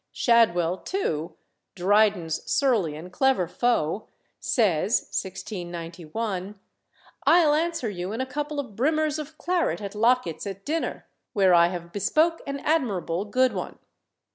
Shadwell too, Dryden's surly and clever foe, says (1691), "I'll answer you in a couple of brimmers of claret at Locket's at dinner, where I have bespoke an admirable good one."